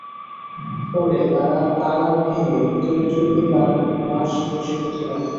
পরে তাঁরা তালা ভেঙে ভেতরে ঢুকে তাঁর লাশ রশি কেটে নামান।